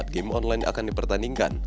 game online akan dipertandingkan